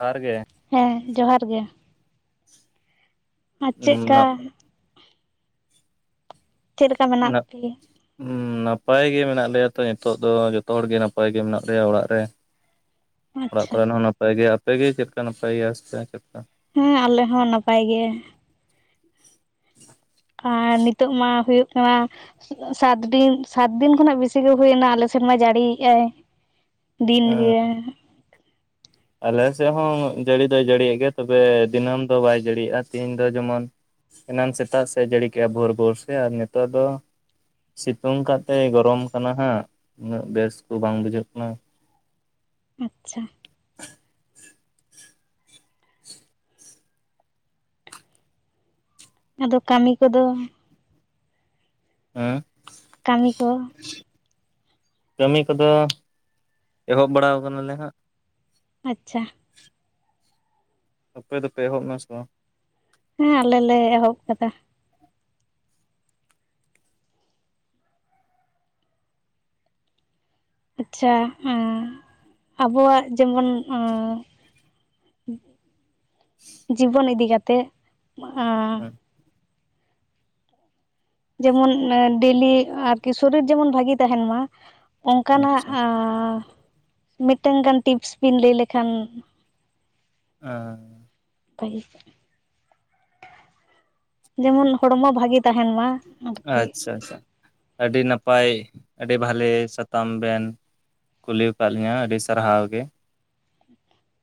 ᱡᱚᱦᱟᱨ ᱜᱮ ᱦᱮᱸ ᱡᱚᱦᱟᱨ ᱜᱮ ᱟᱨ ᱪᱮᱫᱠᱟ ᱪᱮᱫ ᱞᱮᱠᱟ ᱢᱮᱱᱟᱜ ᱯᱤ ᱦᱩᱸ ᱱᱟᱯᱟᱭ ᱜᱮ ᱢᱮᱱᱟᱜ ᱞᱮᱭᱟ ᱛᱚ ᱱᱤᱛᱚᱜ ᱫᱚ ᱡᱚᱛᱚ ᱦᱚᱲ ᱜᱮ ᱱᱟᱯᱟᱭ ᱜᱮ ᱢᱮᱱᱟᱜ ᱞᱮᱭᱟ ᱚᱲᱟᱜ ᱨᱮ ᱚᱲᱟᱜ ᱟᱪᱪᱷᱟ ᱠᱚᱨᱮ ᱦᱚᱸ ᱱᱟᱯᱟᱭ ᱜᱮ ᱟᱯᱮ ᱜᱮ ᱪᱮᱫᱠᱟ ᱱᱟᱯᱟᱭ ᱜᱮᱭᱟ ᱥᱮ ᱪᱮᱫᱠᱟ ᱦᱮᱸ ᱟᱞᱮ ᱦᱚᱸ ᱱᱟᱯᱟᱭ ᱜᱮ ᱟᱨ ᱱᱤᱛᱚᱜ ᱢᱟ ᱦᱩᱭᱩᱜ ᱠᱟᱱᱟ ᱥᱟᱛ ᱫᱤᱱ ᱥᱟᱛ ᱫᱤᱱ ᱠᱷᱚᱱᱟᱜ ᱵᱮᱥᱤ ᱜᱮ ᱦᱩᱭ ᱱᱟ ᱟᱞᱮ ᱥᱮᱫ ᱢᱟ ᱡᱟᱹᱲᱤᱭᱮᱜ ᱟᱭ ᱫᱤᱱ ᱦᱮᱸ ᱜᱮ ᱟᱞᱮ ᱥᱮᱫ ᱦᱚᱸ ᱡᱟᱹᱲᱤ ᱫᱚᱭ ᱡᱟᱹᱲᱤᱭᱮᱜ ᱜᱮᱭᱟ ᱛᱚᱵᱮ ᱫᱤᱱᱟᱹᱢ ᱫᱚ ᱵᱟᱭ ᱡᱟᱹᱲᱤᱭᱮᱜᱼᱟ ᱛᱤᱦᱤᱧ ᱫᱚ ᱡᱮᱢᱚᱱ ᱮᱱᱟᱱ ᱥᱮᱛᱟᱜ ᱥᱮᱫ ᱡᱟᱹᱲᱤ ᱠᱮᱜᱼᱟ ᱵᱷᱳᱨ ᱵᱷᱳᱨ ᱥᱮ ᱟᱨ ᱱᱤᱛᱚᱜ ᱫᱚ ᱥᱤᱛᱩᱝ ᱠᱟᱛᱮ ᱜᱚᱨᱚᱢ ᱠᱟᱱᱟ ᱦᱟᱸᱜ ᱩᱱᱟᱹᱜ ᱵᱮᱥ ᱠᱚ ᱵᱟᱝ ᱵᱩᱡᱷᱟᱹᱜ ᱠᱟᱱᱟ ᱟᱪᱪᱷᱟ [inaudible] ᱟᱫᱚ ᱠᱟᱹᱢᱤ ᱠᱚᱫᱚ ᱦᱮᱸ ᱠᱟᱹᱢᱤ ᱠᱚ ᱠᱟᱹᱢᱤ ᱠᱚᱫᱚ ᱮᱦᱚᱵ ᱵᱟᱲᱟᱣ ᱠᱟᱱᱟᱞᱮ ᱦᱟᱸᱜ ᱟᱪᱪᱷᱟ ᱟᱯᱮ ᱫᱚᱯᱮ ᱮᱦᱚᱵ ᱮᱱᱟ ᱥᱮ ᱵᱟᱝ ᱦᱮᱸ ᱟᱞᱮ ᱞᱮ ᱮᱦᱚᱵ ᱠᱟᱫᱟ ᱟᱪᱪᱷᱟ ᱟᱵᱚᱣᱟᱜ ᱡᱮᱢᱚᱱ ᱚᱸ ᱡᱤᱵᱚᱱ ᱤᱫᱤ ᱠᱟᱛᱮ ᱮᱸ ᱦᱮᱸ ᱡᱮᱢᱚᱱ ᱰᱮᱞᱤ ᱟᱨᱠᱤ ᱥᱚᱨᱤᱨ ᱡᱮᱢᱚᱱ ᱵᱷᱟᱜᱤ ᱛᱟᱦᱮᱱ ᱢᱟ ᱚᱱᱠᱟᱱᱟᱜ ᱟᱪᱪᱷᱟ ᱟᱪᱪᱷᱟ ᱢᱤᱫᱴᱟᱝ ᱜᱟᱱ ᱴᱤᱯᱥ ᱵᱤᱱ ᱞᱟᱹᱭ ᱞᱮᱠᱷᱟᱱ ᱚ ᱡᱮᱢᱚᱱ ᱦᱚᱲᱢᱚ ᱵᱷᱟᱜᱤ ᱛᱟᱦᱮᱱ ᱢᱟ ᱟᱨᱠᱤ ᱟᱪᱪᱷᱟ ᱟᱪᱪᱷᱟ ᱟᱹᱰᱤ ᱱᱟᱯᱟᱭ ᱟᱹᱰᱤ ᱵᱷᱟᱹᱞᱤ ᱥᱟᱛᱟᱢ ᱵᱮᱱ ᱠᱩᱞᱤ ᱟᱠᱟᱫ ᱞᱤᱧᱟᱹ ᱟᱹᱰᱤ ᱥᱟᱨᱦᱟᱣ ᱜᱮ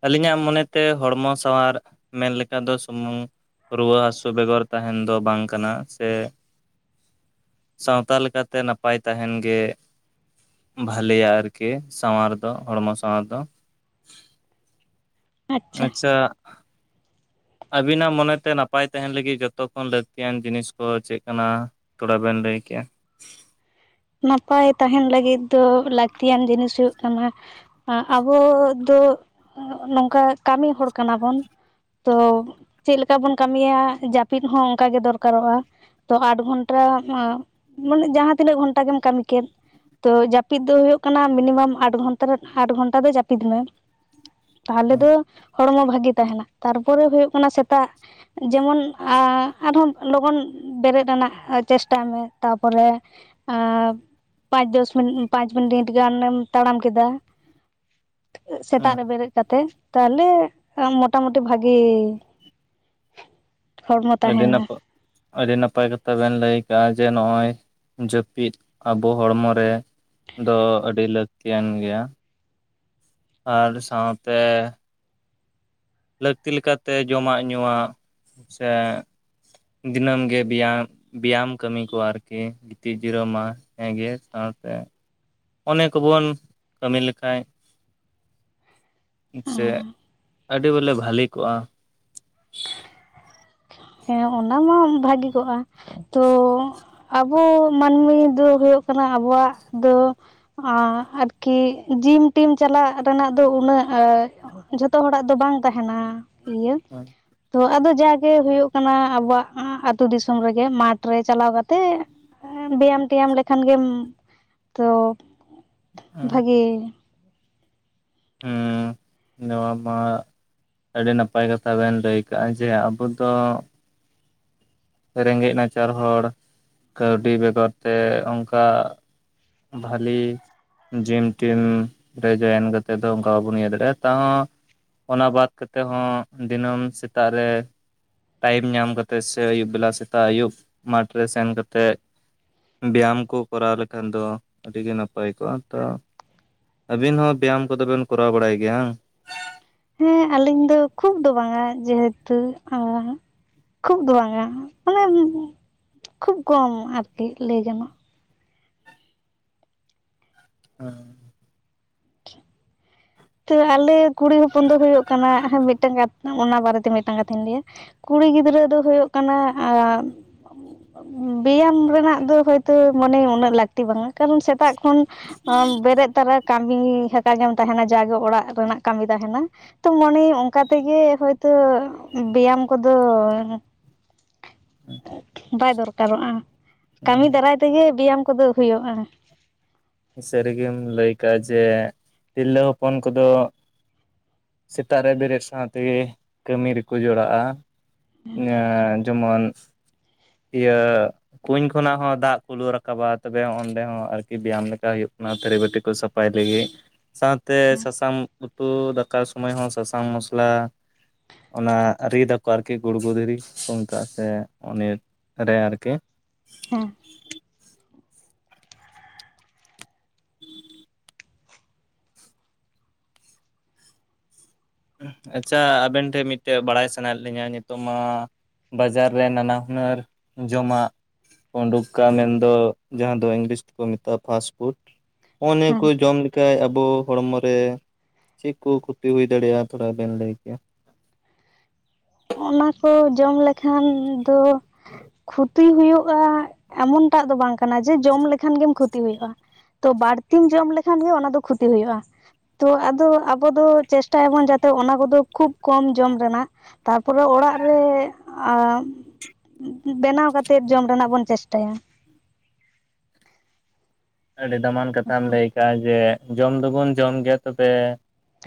ᱟᱹᱞᱤᱧᱟᱜ ᱢᱚᱱᱮᱛᱮ ᱦᱚᱲᱢᱚ ᱥᱟᱶᱟᱨ ᱢᱮᱱ ᱞᱮᱠᱟ ᱫᱚ ᱥᱩᱢᱩᱝ ᱨᱩᱣᱟᱹ ᱦᱟᱹᱥᱩ ᱵᱮᱜᱚᱨ ᱛᱟᱦᱮᱸᱱ ᱫᱚ ᱵᱟᱝ ᱠᱟᱱᱟ ᱥᱮ ᱥᱟᱶᱛᱟ ᱞᱮᱠᱟᱛᱮ ᱱᱟᱯᱟᱭ ᱛᱟᱦᱮᱸᱱ ᱜᱮ ᱵᱷᱟᱞᱮᱭᱟ ᱟᱨᱠᱤ ᱥᱟᱶᱟᱨ ᱫᱚ ᱦᱚᱲᱢᱚ ᱥᱟᱶᱟᱨ ᱫᱚ ᱟᱪᱪᱷᱟ ᱟᱵᱤᱱᱟᱜ ᱢᱚᱱᱮ ᱛᱮ ᱱᱟᱯᱟᱭ ᱛᱟᱦᱮᱸᱱ ᱞᱟᱹᱜᱤᱫ ᱡᱚᱛᱚ ᱠᱷᱚᱱ ᱞᱟᱹᱠᱛᱤᱭᱟᱱ ᱡᱤᱱᱤᱥ ᱠᱚ ᱪᱮᱫ ᱠᱟᱱᱟ ᱛᱷᱚᱲᱟ ᱵᱮᱱ ᱞᱟᱹᱭ ᱠᱮᱜᱼᱟ ᱱᱟᱯᱟᱭ ᱛᱟᱦᱮᱸᱱ ᱞᱟᱹᱜᱤᱫ ᱫᱚ ᱞᱟᱹᱠᱛᱤᱭᱟᱱ ᱡᱤᱱᱤᱥ ᱦᱩᱭᱩᱜ ᱠᱟᱱᱟ ᱟᱵᱚ ᱫᱚ ᱱᱚᱝᱠᱟ ᱠᱟᱹᱢᱤ ᱦᱚᱲ ᱠᱟᱱᱟ ᱵᱚᱱ ᱛᱚ ᱪᱮᱫ ᱞᱮᱠᱟ ᱵᱚᱱ ᱠᱟᱹᱢᱤᱭᱟ ᱡᱟᱹᱯᱤᱫ ᱦᱚᱸ ᱚᱱᱠᱟᱟᱜ ᱜᱮ ᱫᱚᱨᱠᱟᱨᱚᱜ-ᱟ ᱛᱚ ᱟᱴ ᱜᱷᱚᱱᱴᱟ ᱢᱟᱱᱮ ᱡᱟᱦᱟᱸ ᱛᱤᱱᱟᱹᱜ ᱜᱷᱚᱱᱴᱟ ᱜᱮᱢ ᱠᱟᱹᱢᱤ ᱠᱮᱫ ᱛᱚ ᱡᱟᱹᱯᱤᱫ ᱫᱚ ᱦᱳᱭᱳᱜ ᱠᱟᱱᱟ ᱢᱤᱱᱤᱢᱟᱢ ᱟᱴ ᱜᱷᱚᱱᱴᱟ ᱫᱚ ᱡᱟᱹᱯᱤᱫ ᱢᱮ ᱛᱟᱦᱚᱞᱮ ᱦᱩᱸ ᱫᱚ ᱦᱚᱲᱢᱚ ᱵᱷᱟᱜᱮ ᱛᱟᱦᱮᱱᱟ ᱛᱟᱨᱯᱚᱨᱮ ᱦᱩᱭᱩᱜ ᱠᱟᱱᱟ ᱥᱮᱛᱟᱜ ᱡᱮᱢᱚᱱ ᱟᱨᱦᱚᱸ ᱞᱚᱜᱚᱱ ᱵᱮᱨᱮᱫ ᱨᱮᱱᱟᱜ ᱪᱮᱥᱴᱟᱭ ᱢᱮ ᱛᱟᱨᱯᱚᱨᱮ ᱟᱨ ᱯᱟᱸᱪ ᱫᱚᱥ ᱯᱟᱸᱪ ᱢᱤᱱᱤᱴ ᱜᱟᱱᱮᱢ ᱛᱟᱲᱟᱢ ᱠᱮᱫᱟ ᱥᱮᱛᱟᱜ ᱦᱩᱸ ᱨᱮ ᱵᱮᱨᱮᱫ ᱠᱟᱛᱮ ᱛᱟᱦᱚᱞᱮ ᱢᱳᱚᱴᱟᱢᱩᱴᱤ ᱵᱷᱟᱹᱜᱤ ᱟᱹᱰᱤ ᱱᱟᱯᱟᱭ ᱟᱹᱰᱤ ᱱᱟᱯᱟᱭ ᱠᱟᱛᱷᱟ ᱵᱮᱱ ᱞᱟᱹᱭ ᱟᱠᱟᱜ-ᱟ ᱡᱮ ᱱᱚᱜᱼᱚᱭ ᱡᱟᱹᱯᱤᱫ ᱟᱵᱚ ᱦᱚᱲᱢᱚ ᱨᱮ ᱫᱚ ᱟᱹᱰᱤ ᱞᱟᱹᱠᱛᱤᱭᱟᱱ ᱜᱮᱭᱟ ᱟᱨ ᱥᱟᱶᱛᱮ ᱞᱟᱹᱠᱛᱤ ᱞᱮᱠᱟᱛᱮ ᱡᱚᱢᱟᱜ ᱧᱩᱣᱟᱜ ᱥᱮ ᱫᱤᱱᱟᱹᱢ ᱜᱮ ᱵᱮᱭᱟᱢ ᱵᱮᱭᱟᱢ ᱠᱟᱹᱢᱤ ᱠᱚᱣᱟ ᱟᱨᱠᱤ ᱜᱤᱛᱤᱡᱽ ᱡᱤᱨᱟᱹ ᱢᱟ ᱦᱮᱸ ᱜᱮ ᱥᱟᱣᱛᱮ ᱚᱱᱮ ᱠᱚᱵᱚᱱ ᱠᱟᱹᱢᱤ ᱞᱮᱠᱟᱡᱽ ᱥᱮ ᱟᱹᱰᱤ ᱵᱚᱞᱮ ᱵᱷᱟᱞᱤ ᱠᱚᱜ-ᱟ ᱦᱮᱸ ᱚᱱᱟ ᱢᱟ ᱵᱷᱟᱹᱜᱤ ᱠᱚᱜ-ᱟ ᱛᱚ ᱟᱵᱚ ᱢᱟᱹᱱᱢᱤ ᱫᱚ ᱦᱩᱭᱩᱜ ᱠᱟᱱᱟ ᱟᱵᱚᱣᱟᱜ ᱫᱚ ᱟᱨ ᱟᱨᱠᱤ ᱡᱤᱢ ᱴᱤᱢ ᱪᱟᱞᱟᱜ ᱨᱮᱱᱟᱜ ᱫᱚ ᱩᱱᱟᱹᱜ ᱡᱷᱚᱛᱚ ᱦᱚᱲᱟᱜ ᱫᱚ ᱵᱟᱝ ᱛᱟᱦᱮᱱᱟ ᱤᱭᱟᱹ ᱛᱚ ᱟᱫᱚ ᱡᱟᱠ ᱜᱮ ᱦᱩᱭᱩᱜ ᱠᱟᱱᱟ ᱟᱵᱚᱣᱟᱜ ᱟᱹᱛᱩ ᱫᱤᱥᱚᱢ ᱨᱮᱜᱮ ᱢᱟᱴᱷ ᱨᱮ ᱪᱟᱞᱟᱣ ᱠᱟᱛᱮᱜ ᱵᱮᱭᱟᱢ ᱴᱮᱭᱟᱢ ᱞᱮᱠᱷᱟᱱ ᱜᱮᱢ ᱛᱚ ᱵᱷᱟᱹᱜᱤ ᱦᱩᱸ ᱱᱚᱣᱟ ᱢᱟ ᱟᱹᱰᱤ ᱱᱟᱯᱟᱭ ᱠᱟᱛᱷᱟ ᱵᱮᱱ ᱞᱟᱹᱭ ᱠᱟᱜᱼᱟ ᱡᱮ ᱟᱵᱚ ᱫᱚ ᱨᱮᱸᱜᱮᱡ ᱱᱟᱪᱟᱨ ᱦᱚᱲ ᱠᱟᱹᱣᱰᱤ ᱵᱮᱜᱚᱨ ᱛᱮ ᱚᱱᱠᱟ ᱵᱷᱟᱞᱤ ᱡᱤᱢ ᱴᱤᱢ ᱨᱮ ᱡᱚᱭᱮᱱ ᱠᱟᱛᱮ ᱫᱚ ᱚᱱᱠᱟ ᱵᱟᱵᱚᱱ ᱤᱭᱟᱹ ᱫᱟᱲᱮᱭᱟᱜ-ᱟ ᱛᱟᱣ ᱦᱚᱸ ᱚᱱᱟ ᱵᱟᱫᱽ ᱠᱟᱛᱮ ᱦᱚᱸ ᱫᱤᱱᱟᱹᱢ ᱥᱮᱛᱟᱜ ᱨᱮ ᱴᱟᱭᱤᱢ ᱧᱟᱢ ᱠᱟᱛᱮᱜ ᱥᱮ ᱟᱭᱩᱵ ᱵᱮᱞᱟ ᱥᱮᱛᱟᱜ ᱟᱹᱭᱩᱵ ᱢᱟᱴᱷ ᱨᱮ ᱥᱮᱱ ᱠᱟᱛᱮᱫ ᱵᱮᱭᱟᱢ ᱠᱚ ᱠᱚᱨᱟᱣ ᱞᱮᱠᱷᱟᱱ ᱫᱚ ᱟᱹᱰᱤᱜᱮ ᱱᱟᱯᱟᱭ ᱠᱚᱜ-ᱟ ᱛᱚ ᱟᱹᱵᱤᱱ ᱦᱚᱸ ᱵᱮᱭᱟᱢ ᱠᱚ ᱫᱚᱵᱮᱱ ᱠᱚᱨᱟᱣ ᱵᱟᱲᱟᱭ ᱜᱮᱭᱟ ᱵᱟᱝ ᱦᱮᱸ ᱟᱞᱤᱧ ᱫᱚ ᱠᱷᱩᱵ ᱫᱚ ᱵᱟᱝᱟ ᱡᱮᱦᱮᱛᱩ ᱠᱷᱩᱵ ᱫᱚ ᱵᱟᱝᱟ ᱢᱟᱱᱮ ᱠᱷᱩᱵ ᱠᱚᱢ ᱟᱨᱠᱤ ᱞᱟᱹᱭ ᱜᱟᱱᱚᱜᱼᱟ [inaudible] ᱛᱚ ᱟᱞᱮ ᱠᱩᱲᱤ ᱦᱚᱯᱚᱱ ᱫᱚ ᱦᱩᱭᱩᱜ ᱠᱟᱱᱟ ᱢᱤᱫᱴᱟᱝ ᱠᱟᱛᱷᱟ ᱚᱱᱟ ᱵᱟᱨᱮᱛᱮ ᱢᱤᱫᱟᱝ ᱠᱟᱛᱷᱟᱧ ᱞᱟᱹᱭᱟ ᱠᱩᱲᱤ ᱜᱤᱫᱽᱨᱟᱹ ᱫᱚ ᱦᱩᱭᱩᱜ ᱠᱟᱱᱟᱼᱼ ᱵᱮᱭᱟᱢ ᱨᱮᱱᱟᱜ ᱫᱚ ᱦᱳᱭᱛᱚ ᱢᱟᱱᱮ ᱩᱱᱟᱹᱜ ᱞᱟᱹᱠᱛᱤ ᱵᱟᱝᱟ ᱠᱟᱨᱚᱱ ᱥᱮᱛᱟᱜ ᱠᱷᱟᱱ ᱵᱮᱨᱮᱫ ᱛᱟᱨᱟ ᱠᱟᱹᱢᱤ ᱦᱟᱠᱟ ᱜᱮᱢ ᱛᱟᱦᱮᱱᱟ ᱡᱟᱜᱮ ᱚᱲᱟᱜ ᱨᱮᱱᱟᱜ ᱠᱟᱹᱢᱤ ᱛᱟᱦᱮᱱᱟ ᱛᱚ ᱢᱚᱱᱮ ᱟ. ᱧ ᱚᱱᱠᱟ ᱛᱮᱜᱮ ᱦᱳᱭ ᱛᱚ ᱵᱮᱭᱟᱢ ᱠᱚᱫᱚ [unintelligible] ᱵᱟᱭ ᱫᱚᱨᱠᱟᱨᱚᱜᱼᱟ ᱠᱟᱹᱢᱤ ᱫᱟᱨᱟᱭ ᱛᱮᱜᱮ ᱵᱮᱭᱟᱢ ᱠᱚᱫᱚ ᱦᱩᱭᱩᱜᱼᱟ ᱥᱟᱹᱨᱤ ᱜᱮᱢ ᱞᱟᱹᱭ ᱠᱟᱜᱼᱟ ᱡᱮ ᱛᱤᱨᱞᱟᱹ ᱦᱚᱯᱚᱱ ᱠᱚᱫᱚ ᱥᱮᱛᱟᱜ ᱨᱮ ᱵᱮᱨᱮᱫ ᱥᱟᱶ ᱛᱮᱜᱮ ᱠᱟᱹᱢᱤ ᱨᱮᱠᱚ ᱡᱚᱲᱟᱜ-ᱟ ᱡᱮᱢᱚᱱ ᱤᱭᱟᱹ ᱠᱩᱧ ᱠᱷᱚᱱᱟᱜ ᱦᱚᱸ ᱫᱟᱜ ᱠᱚ ᱞᱩ ᱨᱟᱠᱟᱵᱟ ᱛᱚᱵᱮ ᱚᱸᱰᱮ ᱦᱚᱸ ᱟᱨᱠᱤ ᱵᱮᱭᱟᱢ ᱞᱮᱠᱟ ᱦᱩᱭᱩᱜ ᱠᱟᱱᱟ ᱛᱷᱟᱹᱨᱤ ᱵᱟᱹᱴᱤ ᱠᱚ ᱥᱟᱯᱷᱟ ᱱᱟᱯᱟᱭ ᱞᱟᱹᱜᱤᱫ ᱥᱟᱶᱛᱮ ᱥᱟᱥᱟᱝ ᱩᱛᱩ ᱫᱟᱠᱟ ᱥᱚᱢᱚᱭ ᱦᱚᱸ ᱥᱟᱥᱟᱝ ᱢᱚᱥᱞᱟ ᱚᱱᱟ ᱨᱤᱫ ᱟᱠᱚ ᱟᱨᱠᱤ ᱜᱩᱲᱜᱩ ᱫᱷᱤᱨᱤ, ᱚᱝᱠᱟ ᱥᱮ ᱩᱱᱤ ᱨᱮ ᱟᱨᱠᱤ ᱦᱮᱸ ᱟᱪᱪᱷᱟ ᱟᱵᱮᱱ ᱴᱷᱮᱱ ᱢᱤᱫᱴᱮᱡ ᱵᱟᱲᱟᱭ ᱥᱟᱱᱟᱭᱮᱫ ᱞᱤᱧᱟᱹ ᱱᱤᱛᱚᱜ ᱢᱟ ᱵᱟᱡᱟᱨ ᱨᱮ ᱱᱟᱱᱟ ᱦᱩᱱᱟᱹᱨ ᱡᱚᱢᱟᱜ ᱩᱰᱩᱠᱟ ᱢᱮᱱᱫᱚ ᱡᱟᱦᱟᱸ ᱫᱚ ᱤᱝᱞᱤᱥ ᱛᱮᱠᱚ ᱢᱮᱛᱟᱜᱼᱟ ᱯᱷᱟᱥᱯᱷᱩᱰ ᱱᱚᱜᱼᱚ ᱱᱤᱭᱟᱹ ᱠᱚ ᱦᱮᱸ ᱡᱚᱢ ᱞᱮᱠᱷᱟᱡ ᱟᱵᱚ ᱦᱚᱲᱢᱚ ᱨᱮ ᱪᱮᱫ ᱠᱚ ᱠᱷᱚᱛᱤ ᱦᱩᱭ ᱫᱟᱲᱮᱭᱟᱜᱼᱟ ᱛᱷᱚᱲᱟ ᱵᱮᱱ ᱞᱟᱹᱭ ᱠᱮᱭᱟ ᱚᱱᱟ ᱠᱚ ᱡᱚᱢ ᱞᱮᱠᱷᱟᱱ ᱫᱚ ᱠᱷᱩᱼᱼ ᱠᱷᱩᱛᱤ ᱦᱩᱭᱩᱜᱼᱟ ᱮᱢᱚᱱᱴᱟᱜ ᱫᱚ ᱵᱟᱝ ᱠᱟᱱᱟ ᱡᱮ ᱡᱚᱢ ᱞᱮᱠᱷᱟᱱ ᱜᱮᱢ ᱠᱷᱩᱛᱤ ᱦᱩᱭᱩᱜᱼᱟ ᱛᱚ ᱵᱟᱹᱲᱛᱤᱢ ᱡᱚᱢ ᱞᱮᱠᱷᱟᱱ ᱜᱮ ᱚᱱᱟ ᱫᱚ ᱠᱷᱩᱛᱤ ᱦᱳᱭᱳᱜᱼᱟ ᱛᱚ ᱟᱫᱚ ᱟᱵᱚ ᱫᱚ ᱪᱮᱥᱴᱟᱭᱟᱵᱚᱱ ᱡᱟᱛᱮ ᱚᱱᱟ ᱠᱚᱫᱚ ᱠᱷᱩᱵ ᱠᱚᱢ ᱡᱚᱢ ᱨᱮᱱᱟᱜ ᱛᱟᱨᱯᱚᱨᱮ ᱚᱲᱟᱜ ᱨᱮ ᱟᱢ ᱵᱮᱱᱟᱣ ᱠᱟᱛᱮᱜ ᱡᱚᱢ ᱨᱮᱱᱟᱜ ᱵᱚᱱ ᱪᱮᱥᱴᱟᱭᱟ ᱟᱹᱰᱤ ᱫᱟᱢᱟᱱ ᱠᱟᱛᱷᱟᱢ ᱞᱟᱹᱭ ᱠᱟᱜ ᱟ ᱡᱮ ᱡᱚᱢ ᱫᱚᱵᱚᱱ ᱡᱚᱢ ᱜᱮᱭᱟ ᱛᱚᱵᱮ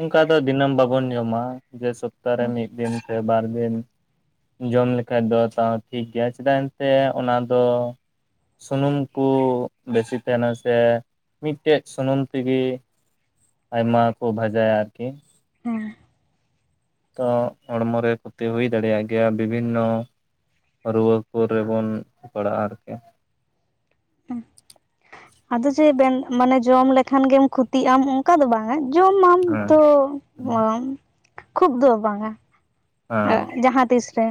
ᱚᱱᱠᱟ ᱫᱚ ᱫᱤᱱᱟᱹᱢ ᱵᱟᱵᱚᱱ ᱡᱚᱢᱟ ᱡᱮ ᱥᱚᱯᱛᱟ ᱨᱮ ᱢᱤᱫ ᱫᱤᱱ ᱥᱮ ᱵᱟᱨ ᱫᱤᱱ ᱡᱚᱢ ᱞᱮᱠᱷᱟᱡ ᱫᱚ ᱛᱟᱣ ᱴᱷᱤᱠ ᱜᱮᱭᱟ ᱪᱮᱫᱟᱜ ᱮᱱᱛᱮ ᱚᱱᱟᱫᱚ ᱥᱩᱱᱩᱢ ᱠᱚ ᱵᱮᱥᱤ ᱛᱟᱦᱮᱱᱟ ᱥᱮ ᱢᱤᱫᱴᱮᱡ ᱥᱩᱱᱩᱢ ᱛᱮᱜᱮ ᱟᱭᱢᱟ ᱠᱚ ᱵᱷᱟᱡᱟᱭᱟ ᱟᱨᱠᱤ ᱦᱮᱸ ᱛᱚ ᱦᱚᱲᱢᱚ ᱨᱮ ᱠᱷᱚᱛᱤ ᱦᱩᱭ ᱫᱟᱲᱮᱭᱟᱜ ᱜᱮᱭᱟ ᱵᱤᱵᱷᱤᱱᱱᱚ ᱨᱩᱣᱟᱹ ᱠᱚ ᱨᱮᱵᱚᱱ ᱯᱟᱲᱟᱜᱼᱟ ᱟᱨᱠᱤ ᱟᱫᱚ ᱪᱮᱫ ᱢᱟᱱᱮ ᱡᱚᱢ ᱞᱮᱠᱷᱟᱱ ᱜᱮᱢ ᱠᱷᱚᱛᱤᱜ ᱟᱢ ᱚᱱ ᱠᱟ ᱫᱚ ᱵᱟᱝᱟ ᱡᱚᱢᱟᱢ ᱦᱮᱸ ᱛᱚ ᱠᱷᱩᱵ ᱫᱚ ᱵᱟᱝ - ᱟ ᱦᱮᱸ ᱮᱫ ᱡᱟᱦᱟᱸᱛᱤᱥ ᱨᱮ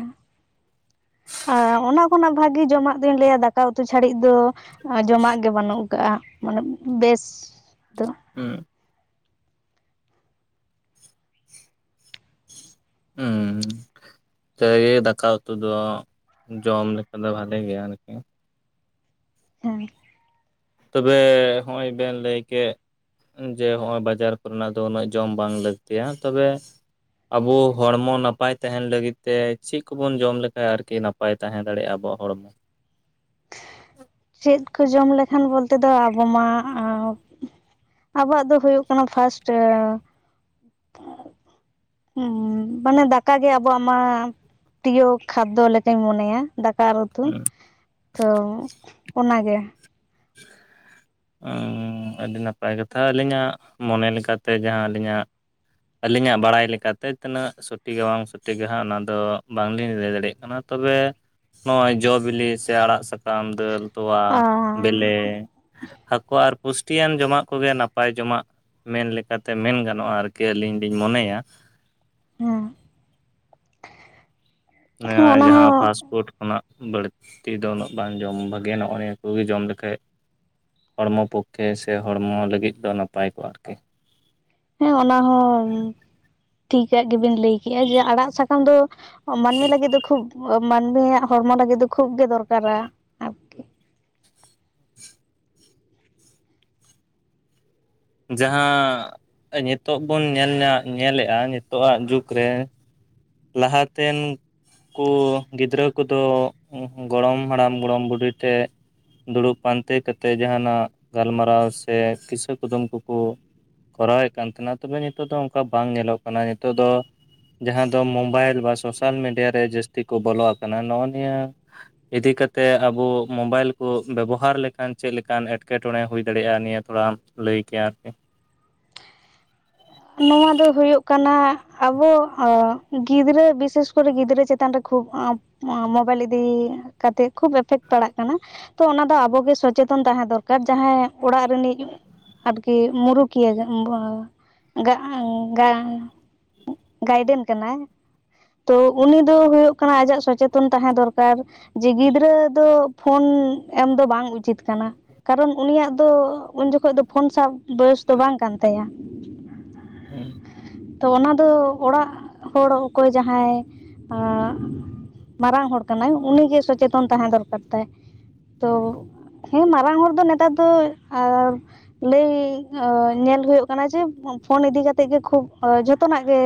ᱚᱱᱟ ᱠᱷᱚᱱᱟᱜ ᱵᱷᱟᱜᱤ ᱡᱚᱢᱟᱜ ᱫᱩᱧ ᱞᱟᱹᱭᱟ ᱫᱟᱠᱟ ᱩᱛᱩ ᱪᱷᱟᱹᱲᱤ ᱫᱚ ᱡᱚᱢᱟᱜ ᱜᱮ ᱵᱟᱹᱱᱩᱜ ᱠᱟᱜᱼᱟ ᱢᱟᱱᱮ ᱵᱮᱥ ᱫᱚ ᱦᱩᱸ ᱦᱩᱸ ᱡᱮ ᱜᱮ ᱫᱟᱠᱟ ᱩᱛᱩ ᱫᱚ ᱡᱚᱢ ᱞᱮᱠᱟ ᱫᱚ ᱵᱷᱟᱞᱮ ᱜᱮ ᱟᱨᱠᱤ ᱚ ᱛᱚᱵᱮ ᱦᱚᱜᱼᱚᱭ ᱵᱮᱱ ᱞᱟᱹᱭ ᱠᱮᱫ ᱡᱮ ᱚᱜᱼᱚᱭ ᱵᱟᱡᱟᱨ ᱠᱚᱨᱮᱱᱟᱜ ᱫᱚ ᱩᱱᱟᱹᱜ ᱡᱚᱢ ᱵᱟᱝ ᱞᱟᱹᱠᱛᱤᱭᱟ ᱦᱮ ᱛᱚᱵᱮ ᱟᱵᱚ ᱦᱚᱲᱢᱚ ᱱᱟᱯᱟᱭ ᱛᱟᱦᱮᱱ ᱞᱟᱹᱜᱤᱫ ᱛᱮ ᱪᱮᱫ ᱠᱚᱵᱚᱱ ᱡᱚᱢ ᱞᱮᱠᱷᱟᱡ ᱟᱨᱠᱤ ᱵᱟᱭ ᱛᱟᱦᱮᱸ ᱫᱟᱲᱮᱭᱟᱜᱼᱟ ᱟᱵᱚᱣᱟᱜ ᱦᱚᱲᱢᱚ ᱪᱮᱫ ᱠᱚ ᱡᱚᱢ ᱞᱮᱠᱷᱟᱱ ᱵᱚᱞᱛᱮ ᱫᱚ ᱟᱵᱚ ᱢᱟ ᱟᱵᱚᱣᱟᱜ ᱫᱚ ᱦᱩᱭᱩᱜ ᱠᱟᱱᱟ ᱯᱷᱟᱥᱴ ᱦᱮ ᱢᱟᱱᱮ ᱫᱟᱠ ᱜᱮ ᱟᱵᱚᱣᱟᱜ ᱢᱟ ᱯᱨᱤᱭᱚ ᱠᱷᱟᱫᱽᱫᱚ ᱞᱮᱠᱟᱧ ᱢᱚᱱᱮᱭᱟ ᱫᱟᱠᱟ ᱫᱟᱠᱟ ᱟᱨ ᱩᱛᱩ ᱛᱚ ᱚᱱᱟᱜᱮ ᱟᱸ ᱟᱹᱰᱤ ᱱᱟᱯᱟᱭ ᱠᱟᱛᱷᱟ ᱟᱹᱞᱤᱧᱟᱜ ᱢᱚᱱᱮ ᱞᱮᱠᱟᱛᱮ ᱡᱟᱦᱟᱸ ᱟᱹᱞᱤᱧᱟᱜ ᱟᱹᱞᱤᱧᱟᱜ ᱵᱟᱲᱟᱭ ᱞᱮᱠᱟᱛᱮ ᱛᱤᱱᱟᱹᱜ ᱥᱚᱴᱷᱤᱜᱼᱟ ᱵᱟᱝ ᱥᱚᱴᱷᱤᱜᱼᱟ ᱦᱟᱸᱜ ᱚᱱᱟᱫᱚ ᱵᱟᱝᱞᱤᱧ ᱞᱟᱹᱭ ᱫᱟᱲᱮᱭᱟᱜ ᱠᱟᱱᱟ ᱾ ᱛᱚᱵᱮ ᱱᱚᱜᱼᱚᱭ ᱡᱚ ᱵᱤᱞᱤ ᱥᱮ ᱟᱲᱟᱜ ᱥᱟᱠᱟᱢ, ᱫᱟᱹᱞ ᱛᱚᱣᱟ ᱟᱨ ᱵᱮᱞᱮ [inaudible] ᱦᱟᱹᱠᱩ ᱟᱨ ᱯᱩᱥᱴᱤᱭᱟᱱ ᱡᱚᱢᱟᱜ ᱠᱚᱜᱮ ᱱᱟᱯᱟᱭ ᱡᱚᱢᱟᱜ ᱢᱮᱱ ᱞᱮᱠᱟᱛᱮ ᱢᱮᱱ ᱜᱟᱱᱚᱜᱼᱟ ᱟᱨᱠᱤ ᱟᱹᱞᱤᱧ ᱞᱤᱧ ᱢᱚᱱᱮᱭᱟ ᱾ ᱦᱮᱸ ᱦᱮᱸ ᱱᱤᱭᱟᱹ ᱚᱱᱟ ᱡᱟᱦᱟᱸ ᱦᱚᱸ ᱯᱷᱟᱥᱴ ᱠᱳᱴ ᱠᱷᱚᱱᱟᱜ ᱵᱟᱹᱲᱛᱤ ᱫᱚ ᱩᱱᱟᱹᱜ ᱵᱟᱝ ᱡᱚᱢ ᱵᱷᱟᱜᱮ ᱱᱚᱜᱼᱚ ᱱᱤᱭᱟᱹ ᱠᱚᱜᱮ ᱡᱚᱢ ᱞᱮᱠᱷᱟᱡ ᱦᱚᱲᱢᱚ ᱯᱚᱠᱷᱮ ᱥᱮ ᱦᱚᱲᱢᱚ ᱞᱟᱹᱜᱤᱫ ᱫᱚ ᱱᱟᱯᱟᱭ ᱠᱚᱜᱼᱟ ᱟᱨᱠᱤ᱾ ᱦᱮᱸ ᱚᱱᱟ ᱦᱚᱸ ᱴᱷᱤᱠᱟᱜ ᱜᱮᱵᱤᱱ ᱞᱟᱹᱭᱠᱮᱜᱼᱟ ᱡᱮ ᱟᱲᱟᱜ ᱥᱟᱠᱟᱢ ᱫᱚ ᱢᱟᱹᱱᱢᱤ ᱞᱟᱹᱜᱤᱫ ᱫᱚ ᱠᱷᱩᱵ ᱢᱟᱹᱱᱢᱤᱭᱟᱜ ᱦᱚᱲᱢᱚ ᱞᱟᱹᱜᱤᱫ ᱫᱚ ᱠᱷᱩᱵ ᱜᱮ ᱫᱚᱨᱠᱟᱨᱟ ᱟᱨᱠᱤ ᱡᱟᱦᱟᱸ ᱱᱤᱛᱚᱜᱜ ᱵᱚᱱ ᱧᱮᱞ ᱧᱟ ᱧᱮᱞᱮᱫᱼᱟ ᱱᱤᱛᱳᱼᱟᱜ ᱡᱩᱜᱽ ᱨᱮ ᱞᱟᱦᱟᱛᱮᱱ ᱩᱱᱠᱩ ᱜᱤᱫᱽᱨᱟᱹ ᱠᱚᱫᱚ ᱜᱚᱲᱚᱢ ᱦᱟᱲᱟᱢ ᱜᱚᱲᱚᱢ ᱵᱩᱰᱷᱤ ᱴᱷᱮᱡ ᱫᱩᱲᱩᱵ ᱯᱟᱱᱛᱮ ᱠᱟᱛᱮ ᱡᱟᱦᱟᱱᱟᱜ ᱜᱟᱞᱢᱟᱨᱟᱣ ᱥᱮ ᱠᱤᱥᱟᱹ ᱠᱩᱫᱩᱢ ᱠᱚᱠᱚ ᱠᱚᱨᱟᱣᱮᱫ ᱠᱟᱱ ᱛᱟᱦᱮᱱᱟ ᱛᱚᱵᱮ ᱱᱤᱛᱚᱜ ᱫᱚ ᱚᱱᱠᱟ ᱵᱟᱝ ᱧᱮᱞᱚᱜ ᱠᱟᱱᱟ ᱾ ᱱᱤᱛᱚᱜ ᱫᱚ ᱡᱟᱦᱟ ᱛᱚ ᱢᱳᱵᱟᱭᱤᱞ ᱵᱟ ᱥᱳᱥᱟᱞ ᱢᱤᱰᱤᱭᱟ ᱨᱮ ᱡᱟᱹᱥᱛᱤ ᱠᱚ ᱵᱚᱞᱚ ᱟᱠᱟᱱᱟ ᱱᱚᱜᱼᱚ ᱱᱤᱭᱟᱹ᱾ ᱤᱫᱤ ᱠᱟᱛᱮᱫ ᱟᱵᱚ ᱢᱳᱵᱟᱭᱤᱞ ᱠᱚ ᱵᱮᱵᱚᱦᱟᱨ ᱞᱮᱠᱷᱟᱱ ᱪᱮᱫᱞᱮᱠᱟᱱ ᱮᱸᱴᱠᱮᱴᱚᱬᱮ ᱦᱩᱭ ᱫᱟᱲᱮᱭᱟᱜᱼᱟ ᱱᱤᱭᱟᱹ ᱛᱷᱚᱲᱟ ᱟᱢ ᱞᱟᱹᱭ ᱠᱮ ᱟᱨᱠᱤ ᱾ ᱱᱚᱣᱟ ᱫᱚ ᱦᱩᱭᱩᱜ ᱠᱟᱱᱟ ᱟᱵᱚ ᱜᱤᱫᱽᱨᱟᱹ ᱵᱤᱥᱮᱥ ᱠᱚᱨᱮ ᱜᱤᱫᱽᱨᱟᱹ ᱪᱮᱛᱟᱱ ᱨᱮ ᱠᱷᱩᱵ ᱢᱳᱵᱟᱭᱤᱞ ᱤᱫᱤ ᱠᱟᱛᱮᱜ ᱠᱷᱩᱵ ᱮᱯᱷᱮᱠᱴ ᱯᱟᱲᱟᱜ ᱠᱟᱱᱟ ᱾ ᱛᱚ ᱚᱱᱟ ᱫᱚ ᱟᱵᱚ ᱜᱮ ᱥᱚᱪᱮᱛᱚᱱ ᱛᱟᱦᱮᱸ ᱫᱚᱨᱠᱟᱨ ᱡᱟᱦᱟᱸᱭ ᱚᱲᱟᱜ ᱨᱤᱱᱤᱡ ᱟᱨᱠᱤ ᱢᱩᱨᱩᱠᱤᱭᱟ ᱡᱟᱦᱟᱸ [unintelligible] ᱜᱟᱭᱰᱮᱱ ᱠᱟᱱᱟᱭ ᱾ ᱛᱚ ᱩᱱᱤ ᱫᱚ ᱦᱩᱭᱩᱜ ᱠᱟᱱᱟ ᱟᱡᱟᱜ ᱥᱚᱪᱮᱛᱚᱱ ᱛᱟᱦᱮᱸ ᱫᱚᱨᱠᱟᱨ ᱾ ᱡᱮ ᱜᱤᱫᱽᱨᱟᱹ ᱫᱚ ᱯᱷᱳᱱ ᱮᱢ ᱫᱚ ᱵᱟᱝ ᱩᱪᱤᱛ ᱠᱟᱱᱟ ᱾ ᱠᱟᱨᱚᱱ ᱩᱱᱤᱭᱟᱜ ᱫᱚ ᱩᱱ ᱡᱚᱠᱷᱚᱱ ᱫᱚ ᱯᱷᱳᱱ ᱥᱟᱵ ᱵᱚᱭᱚᱥ ᱫᱚ ᱵᱟᱝ ᱠᱟᱱ ᱛᱟᱭᱟ ᱾ ᱦᱮᱸ ᱾ ᱛᱚ ᱚᱱᱟ ᱫᱚ ᱚᱲᱟᱜ ᱦᱚᱲ ᱚᱠᱚᱭ ᱡᱟᱦᱟᱸᱭ ᱟᱸ ᱢᱟᱨᱟᱝ ᱦᱚᱲ ᱠᱟᱱᱟᱭ ᱩᱱᱤᱜᱮ ᱥᱚᱪᱮᱛᱚᱱ ᱛᱟᱦᱮᱸ ᱫᱚᱨᱠᱟᱨ ᱛᱟᱭ ᱛᱚ ᱾ ᱦᱮᱸ ᱢᱟᱨᱟᱝ ᱦᱚᱲ ᱫᱚ ᱱᱮᱛᱟᱨ ᱫᱚ ᱟᱨ ᱞᱟᱹᱭ ᱧᱮᱞ ᱦᱩᱭᱩᱜ ᱠᱟᱱᱟ ᱡᱮ ᱯᱷᱳᱱ ᱤᱫᱤ ᱠᱟᱛᱮᱫ ᱜᱮ ᱠᱷᱩᱵ ᱡᱚᱛᱚᱱᱟᱜ ᱜᱮ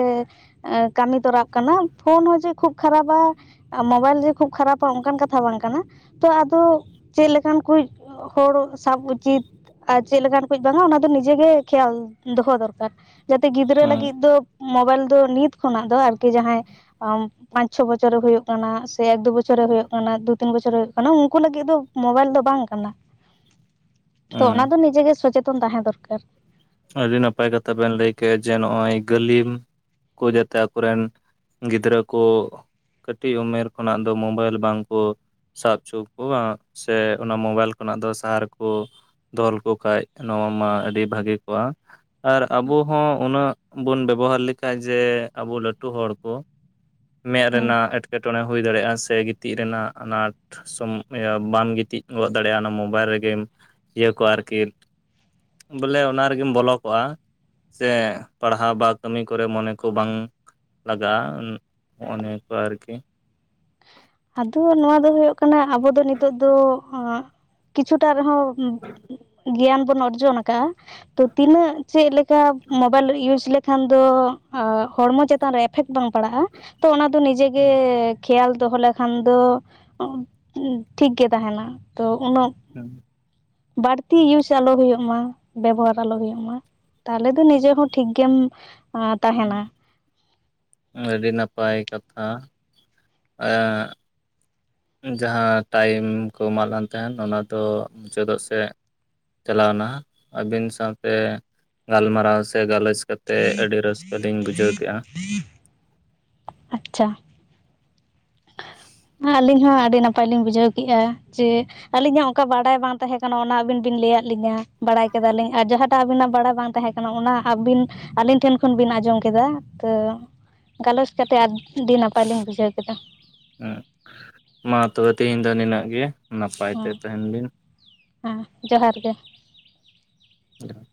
ᱠᱟᱹᱢᱤ ᱛᱚᱨᱟᱜ ᱠᱟᱱᱟ ᱯᱷᱳᱱ ᱦᱚᱸ ᱡᱮ ᱠᱷᱩᱵ ᱠᱷᱟᱨᱟᱯᱼᱟ ᱢᱳᱵᱟᱭᱤᱞ ᱡᱮ ᱠᱷᱩᱵ ᱠᱷᱟᱨᱟᱯᱼᱟ ᱚᱱᱠᱟᱱ ᱠᱟᱛᱷᱟ ᱵᱟᱝ ᱠᱟᱱᱟ ᱛᱚ ᱟᱫᱚ ᱪᱮᱫ ᱞᱮᱠᱟᱱ ᱠᱚᱡ ᱦᱚᱲ ᱥᱟᱵ ᱩᱪᱤᱛ ᱟᱨ ᱪᱮᱫ ᱞᱮᱠᱟᱱ ᱠᱚᱡ ᱵᱟᱝᱼᱟ ᱚᱱᱟ ᱫᱚ ᱱᱤᱡᱮ ᱜᱮ ᱠᱷᱮᱭᱟᱞ ᱫᱚᱦᱚ ᱫᱚᱨᱠᱟᱨ ᱾ ᱡᱟᱛᱮ ᱜᱤᱫᱽᱨᱟᱹ ᱦᱩᱸ ᱞᱟᱹᱜᱤᱫ ᱫᱚ ᱢᱳᱵᱟᱭᱤᱞ ᱫᱚ ᱱᱤᱛ ᱠᱷᱚᱱᱟᱜ ᱫᱚ ᱟᱨᱠᱤ ᱡᱟᱦᱟᱸᱭ ᱯᱟᱸᱪ ᱪᱷᱚ ᱵᱚᱪᱷᱚᱨᱼᱮ ᱦᱩᱭᱩᱜ ᱠᱟᱱᱟ ᱥᱮ ᱮᱠ ᱫᱩ ᱵᱚᱪᱷᱚᱨᱼᱮ ᱦᱩᱭᱩᱜ ᱠᱟᱱᱟ ᱫᱩ ᱛᱤᱱ ᱵᱚᱪᱷᱚᱨᱼᱮ ᱦᱩᱭᱩᱜ ᱠᱟᱱᱟ ᱩᱱᱠᱩ ᱞᱟᱹᱜᱤᱫ ᱫᱚ ᱢᱳᱵᱟᱭᱤᱞ ᱫᱚ ᱵᱟᱝ ᱠᱟᱱᱟ ᱾ [inaudible] ᱛᱚ ᱦᱩᱸ ᱚᱱᱟ ᱫᱚ ᱱᱤᱡᱮ ᱜᱮ ᱥᱚᱪᱮᱛᱚᱱ ᱛᱟᱦᱮᱸ ᱫᱚᱨᱠᱟᱨ ᱾ ᱟᱹᱰᱤ ᱱᱟᱯᱟᱭ ᱠᱟᱛᱷᱟ ᱵᱮᱱ ᱞᱟᱹᱭ ᱠᱮᱫ ᱮᱜᱼᱟ ᱡᱮ ᱱᱚᱜᱼᱚᱭ ᱜᱟᱹᱞᱤᱢ ᱠᱩ ᱡᱟᱛᱮ ᱟᱠᱚᱨᱮᱱ ᱜᱤᱫᱽᱨᱟᱹ ᱠᱚ ᱠᱟᱹᱴᱤᱡ ᱩᱢᱮᱨ ᱠᱷᱚᱱᱟᱜ ᱫᱚ ᱢᱳᱵᱟᱭᱤᱞ ᱵᱟᱝᱠᱚ ᱥᱟᱵ ᱦᱚᱪᱚ ᱠᱚᱼᱟ ᱥᱮ ᱚᱱᱟ ᱢᱳᱵᱟᱭᱤᱞ ᱠᱷᱚᱱᱟᱜ ᱫᱚ ᱥᱟᱦᱟ ᱨᱮᱠᱚ ᱫᱚᱞ ᱠᱚ ᱠᱷᱟᱡ ᱱᱚᱣᱟ ᱢᱟ ᱟᱹᱰᱤ ᱵᱷᱟᱹᱜᱤ ᱠᱚᱜᱼᱟ ᱾ ᱟᱨ ᱟᱵᱚ ᱦᱚᱸ ᱩᱱᱟᱹᱜ ᱵᱚᱱ ᱵᱮᱵᱚᱦᱟᱨ ᱞᱮᱠᱷᱟᱡ ᱡᱮ ᱟᱵᱚ ᱞᱟᱹᱴᱩ ᱦᱚᱲ ᱠᱚ ᱾ ᱢᱮᱫ ᱦᱮᱸ ᱨᱮᱱᱟᱜ ᱮᱴᱠᱮᱴᱚᱬᱮ ᱦᱩᱭ ᱫᱟᱲᱮᱭᱟᱜᱼᱟ ᱥᱮ ᱜᱤᱛᱤᱡ ᱨᱮᱱᱟᱜ ᱟᱱᱟᱴ ᱥᱚᱢ ᱤᱭᱟ ᱵᱟᱢ ᱜᱤᱛᱤᱡ ᱜᱚᱫ ᱫᱟᱲᱮᱭᱟᱜᱼᱟ ᱚᱱᱟ ᱢᱳᱵᱟᱭᱤᱞ ᱨᱮᱜᱮᱢ ᱤᱭᱟᱹ ᱠᱚ ᱟᱨᱠᱤ ᱵᱚᱞᱮ ᱚᱱᱟ ᱨᱮᱜᱮᱢ ᱵᱚᱞᱚ ᱠᱚᱜᱼᱟ᱾ ᱥᱮ ᱯᱟᱲᱦᱟᱣ ᱵᱟ ᱠᱟᱹᱢᱤ ᱠᱚᱨᱮ ᱢᱚᱱᱮ ᱠᱚ ᱵᱟᱝ ᱞᱟᱜᱟᱜᱼᱟ ᱦᱚᱸᱜ ᱱᱤᱭᱟ. ᱠᱚ ᱟᱨᱠᱤ ᱟᱫᱚ ᱱᱚᱣᱟ ᱫᱚ ᱦᱳᱭᱳᱜ ᱠᱟᱱᱟ ᱟᱵᱚ ᱫᱚ ᱱᱤᱛᱚᱜ ᱫᱚ ᱠᱤᱪᱷᱩᱴᱟ ᱨᱮᱦᱚᱸ ᱜᱮᱭᱟᱱ ᱵᱚᱱ ᱚᱨᱡᱚᱱ ᱠᱟᱜ- ᱟ ᱛᱚ ᱛᱤᱱᱟᱹᱜ ᱪᱮᱫ ᱞᱮᱠᱟ ᱢᱚᱵᱟᱭᱤᱞ ᱤᱭᱩᱡᱽ ᱞᱮᱠᱷᱟᱱ ᱫᱚ ᱮ ᱦᱚᱲᱢᱚ ᱪᱮᱛᱟᱱ ᱨᱮ ᱮᱯᱷᱮᱠᱴ ᱵᱟᱝ ᱯᱟᱲᱟᱜᱼᱟ ᱾ ᱛᱚ ᱚᱱᱟ ᱫᱚ ᱱᱤᱡᱮᱜ ᱜᱮ ᱠᱷᱮᱭᱟᱞ ᱫᱚᱦᱚ ᱞᱮᱠᱷᱟ ᱠᱷᱟᱱ ᱫᱚ ᱟᱸᱜ ᱴᱷᱤᱠ ᱜᱮ ᱛᱟᱦᱮᱱᱟ ᱛᱚ ᱩᱱᱟᱹᱜ ᱵᱟᱹᱲᱛᱤ ᱤᱭᱩᱡᱽ ᱟᱞᱚ ᱦᱩᱭᱩᱜ ᱢᱟ ᱵᱮᱵᱚᱦᱟᱨ ᱟᱞᱚ ᱦᱩᱭᱩᱜ ᱢᱟ ᱾ ᱛᱟᱦᱚᱞᱮ ᱫᱚ ᱱᱤᱡᱮ ᱦᱚᱸ ᱴᱷᱤᱠ ᱜᱮᱢ ᱛᱟᱦᱮᱱᱟ ᱟᱹᱰᱤ ᱱᱟᱯᱟᱭ ᱠᱟᱛᱷᱟ ᱟᱸ ᱡᱟᱦᱟᱸ ᱴᱟᱭᱤᱢ ᱠᱚ ᱮᱢᱟᱜ ᱞᱟᱝ ᱛᱟᱦᱮᱱ ᱚᱱᱟ ᱫᱚ ᱢᱩᱪᱟᱹᱫᱚᱜ ᱥᱮ ᱪᱟᱞᱟᱣᱮᱱᱟ ᱾ ᱟᱹᱵᱤᱱ ᱥᱟᱶᱛᱮ ᱜᱟᱞᱢᱟᱨᱟᱣ ᱥᱮ ᱜᱟᱞᱚᱪ ᱠᱟᱛᱮᱫ ᱟᱹᱰᱤ ᱨᱟᱹᱥᱠᱟᱹ ᱞᱤᱧ ᱵᱩᱡᱷᱟᱹᱣ ᱠᱮᱫᱼᱟ᱾ ᱟᱪᱪᱷᱟ [inaudible] ᱟᱹᱞᱤᱧ ᱦᱚᱸ ᱟᱹᱰᱤ ᱱᱟᱯᱟᱭ ᱞᱤᱧ ᱵᱩᱡᱷᱟᱹᱣ ᱠᱮᱫᱮᱜᱼᱟ, ᱡᱮ ᱟᱹᱞᱤᱧᱟᱜ ᱚᱱᱠᱟ ᱵᱟᱰᱟᱭ ᱵᱟᱝ ᱛᱟᱦᱮᱸ ᱠᱟᱱᱟ, ᱚᱱᱟ ᱟᱹᱵᱤᱱ ᱵᱤᱱ ᱞᱟᱹᱭᱟᱫ ᱞᱤᱧᱟᱹ ᱵᱟᱲᱟᱭ ᱠᱮᱫᱟᱞᱧ ᱟᱨ ᱡᱟᱦᱟᱸᱴᱟᱜ ᱟᱵᱤᱱᱟᱜ ᱵᱟᱲᱟᱭ ᱵᱟᱝ ᱛᱟᱦᱮᱸ ᱠᱟᱱᱟ ᱚᱱᱟ ᱟᱹᱵᱤᱱ ᱟᱹᱞᱤᱧ ᱴᱷᱮᱱ ᱠᱷᱚᱱ ᱵᱤᱱ ᱟᱸᱡᱚᱢ ᱠᱮᱫᱟ ᱛᱚ ᱜᱟᱞᱚᱪ ᱠᱟᱛᱮᱫ ᱟᱹᱰᱤ ᱱᱟᱯᱟᱭ ᱞᱤᱧ ᱵᱩᱡᱷᱟᱹᱣ ᱠᱮᱫᱟ᱾ ᱦᱮᱸ ᱢᱟ ᱛᱚᱵᱮ ᱛᱮᱦᱮᱧ ᱫᱚ ᱱᱤᱱᱟᱹᱜ ᱜᱮ ᱱᱟᱯᱟᱭ ᱛᱮ ᱦᱮᱸ ᱛᱟᱦᱮᱱ ᱵᱤᱱ᱾ ᱦᱮᱸ ᱡᱚᱦᱟᱨ ᱜᱮ ᱡᱚᱦᱟᱨ